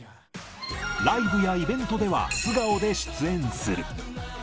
ライブやイベントでは、素顔で出演する。